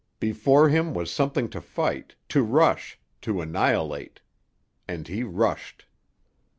Before him was something to fight, to rush, to annihilate. And he rushed.